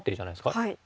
はい。